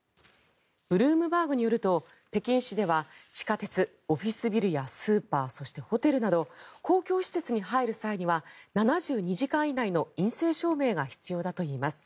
ブルームバーグによると北京市では地下鉄、オフィスビルやスーパーそして、ホテルなど公共施設に入る際には７２時間以内の陰性証明が必要だといいます。